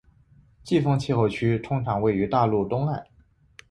季风气候区通常位于大陆东岸